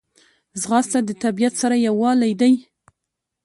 ځغاسته د طبیعت سره یووالی دی